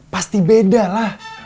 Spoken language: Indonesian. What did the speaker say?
pasti beda lah